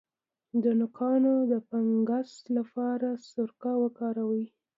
د نوکانو د فنګس لپاره سرکه وکاروئ